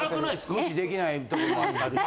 ・無視できないとこもあるし。